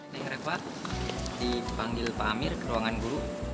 neng reva dipanggil pak amir ke ruangan guru